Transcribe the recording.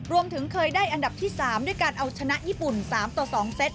รวมถึงเคยได้อันดับที่๓ด้วยการเอาชนะญี่ปุ่น๓ต่อ๒เซต